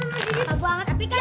gigi gue ntar patah